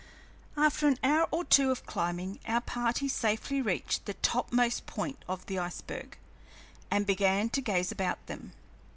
After an hour or two of climbing, our party safely reached the topmost point of the iceberg, and began to gaze about them.